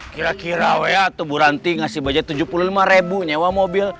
kira kira wa atau bu ranti ngasih budget tujuh puluh lima ribu nyewa mobil